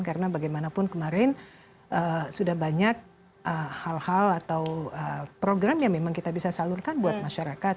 karena bagaimanapun kemarin sudah banyak hal hal atau program yang memang kita bisa salurkan buat masyarakat